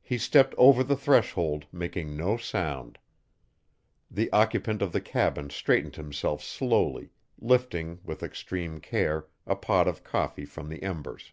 He stepped over the threshold, making no sound. The occupant of the cabin straightened himself slowly, lifting with, extreme care a pot of coffee from the embers.